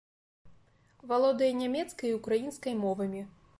Валодае нямецкай і ўкраінскай мовамі.